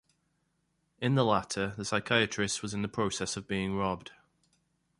In the latter, the psychiatrist was in the process of being robbed.